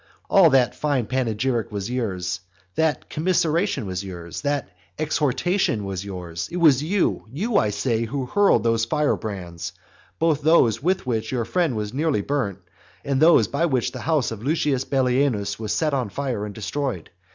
All that fine panegyric was yours, that commiseration was yours, that exhortation was yours. It was you you, I say who hurled those firebrands, both those with which your friend himself was nearly burnt, and those by which the house of Lucius Bellienus was set on fire and destroyed.